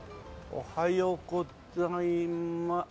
おはようござい。